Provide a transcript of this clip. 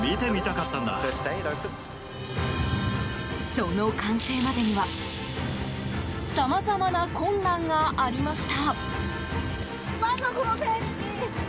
その完成までにはさまざまな困難がありました。